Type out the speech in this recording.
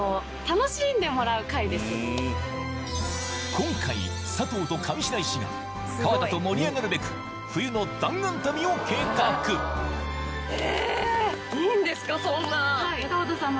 今回佐藤と上白石が川田と盛り上がるべく冬の弾丸旅を計画え。